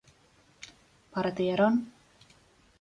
¿partieron?